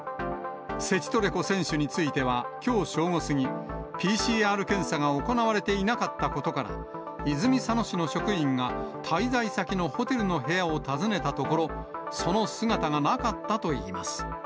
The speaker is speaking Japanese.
セチトレコ選手についてはきょう正午過ぎ、ＰＣＲ検査が行われていなかったことから、泉佐野市の職員が滞在先のホテルの部屋を訪ねたところ、その姿がなかったといいます。